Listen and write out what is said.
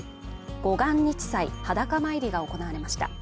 五元日祭裸参りが行われました